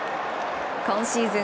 今シーズン